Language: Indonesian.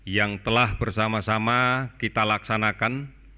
yang telah bersama sama kita laksanakan